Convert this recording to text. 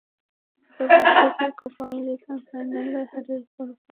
শতবার্ষিকী Copa আমেরিকার ফাইনালে হারের পরপরই লোকচক্ষুর অন্তরালে চলে গিয়েছিলেন লিওনেল মেসি।